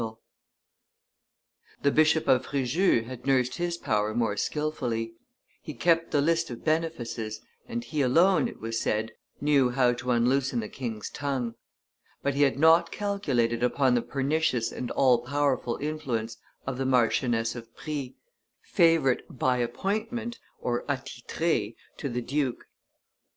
[Illustration: Cardinal Fleury 110] The Bishop of Frejus had nursed his power more skilfully; he kept the list of benefices, and he alone, it was said, knew how to unloosen the king's tongue; but he had not calculated upon the pernicious and all powerful influence of the Marchioness of Prie, favorite "by appointment" (attitree) to the duke.